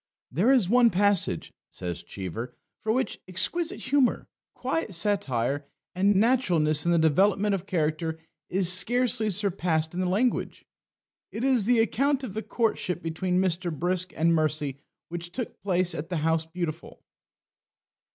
"There is one passage," says Cheever, "which for exquisite humour, quiet satire, and naturalness in the development of character is scarcely surpassed in the language. It is the account of the courtship between Mr. Brisk and Mercy which took place at the House Beautiful."